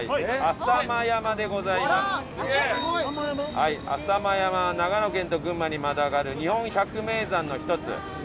浅間山は長野県と群馬にまたがる日本百名山の１つ。